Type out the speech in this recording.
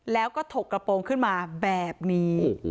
แล้วก็ถกกระโปรงขึ้นมาแบบนี้